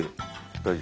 大丈夫。